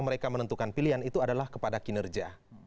mereka menentukan pilihan itu adalah kepada kinerja